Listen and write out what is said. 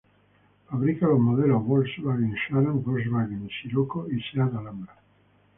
Fabrica los modelos Volkswagen Sharan, Volkswagen Scirocco y Seat Alhambra.